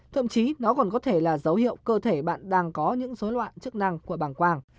thậm chí nó còn có thể là dấu hiệu cơ thể bạn đang có những dối loạn chức năng của bảng quảng